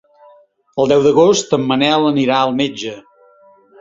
El deu d'agost en Manel anirà al metge.